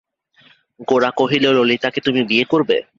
গোরা কহিল, ললিতাকে তুমি বিয়ে করবে?